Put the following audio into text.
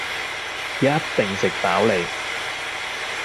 一定食飽你